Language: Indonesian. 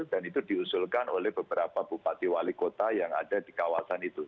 dan itu diusulkan oleh beberapa bupati wali kota yang ada di kawasan itu